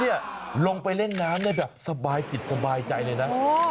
นี่ลงไปเล่นน้ำได้แบบสบายจิตสบายใจเลยนะ